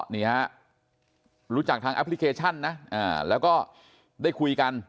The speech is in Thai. นี่ฮะรู้จักทางแอปพลิเคชันนะแล้วก็ได้คุยกัน